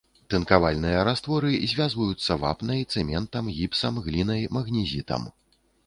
Тынкавальныя растворы звязваюцца вапнай, цэментам, гіпсам, глінай, магнезітам.